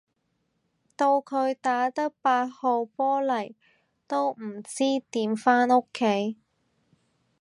到佢打得八號波嚟都唔知點返屋企